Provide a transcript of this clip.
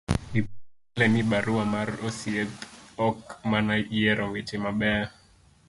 ipar pile ni barua mar osiep ok en mana yiero weche mabeyo